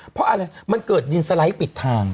เพราะอะไรมันเกิดดินสไลด์ปิดทาง